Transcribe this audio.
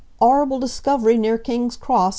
"'Orrible discovery near King's Cross!"